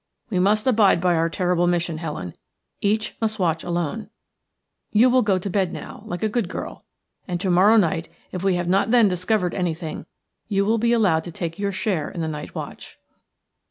We must abide by our terrible mission, Helen; each must watch alone. You will go to bed now, like a good girl, and to morrow night, if we have not then discovered anything, you will be allowed to take your share in the night watch."